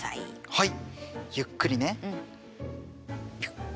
はい。